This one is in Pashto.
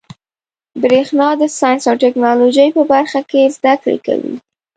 برېښنا د ساینس او ټيکنالوجۍ په برخه کي زده کړي کوي.